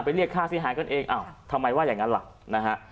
เรียกค่าเสียหายกันเองอ้าวทำไมว่าอย่างนั้นล่ะนะฮะ